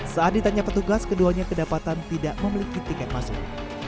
saat ditanya petugas keduanya kedapatan tidak memiliki tiket masuk